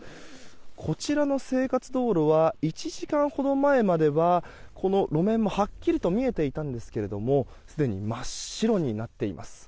こちらの生活道路は１時間ほど前まではこの路面もはっきりと見えていたんですがすでに真っ白になっています。